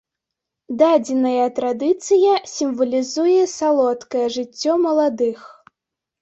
Дадзеная традыцыя сімвалізуе салодкае жыццё маладых.